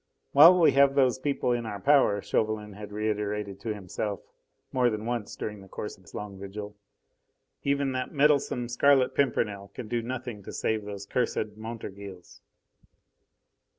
"While we have those people in our power," Chauvelin had reiterated to himself more than once during the course of his long vigil, "even that meddlesome Scarlet Pimpernel can do nothing to save those cursed Montorgueils."